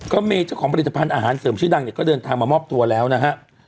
เมย์เจ้าของผลิตภัณฑ์อาหารเสริมชื่อดังเนี่ยก็เดินทางมามอบตัวแล้วนะฮะ